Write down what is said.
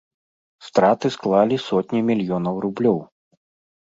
Страты склалі сотні мільёнаў рублёў.